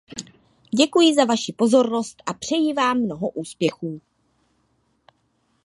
Děkuji za vaši pozornost a přeji vám mnoho úspěchů.